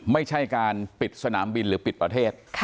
ไม่ใช่การปิดสนามบินหรือปิดประเทศ